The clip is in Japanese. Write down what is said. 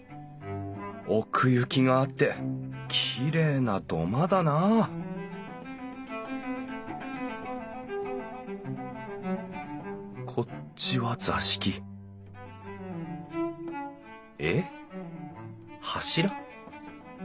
奥行きがあってきれいな土間だなこっちは座敷えっ柱？